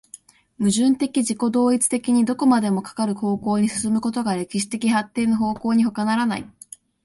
矛盾的自己同一的にどこまでもかかる方向に進むことが歴史的発展の方向にほかならない。